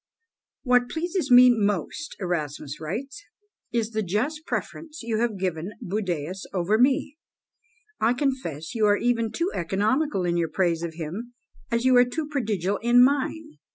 "What pleases me most," Erasmus writes, "is the just preference you have given Budæus over me; I confess you are even too economical in your praise of him, as you are too prodigal in mine.